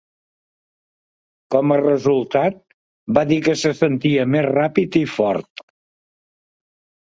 Com a resultat, va dir que se sentia més ràpid i fort.